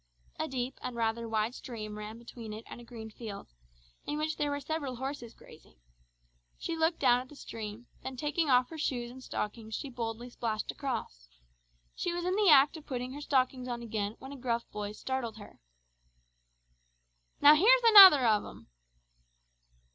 A deep and rather wide stream ran between it and a green field, in which there were several horses grazing. She looked down at the stream, then taking off her shoes and stockings she boldly splashed across. She was in the act of putting her stockings on again, when a gruff voice startled her. "Now here's another of 'em!"